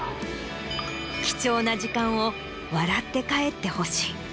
貴重な時間を笑って帰って欲しい。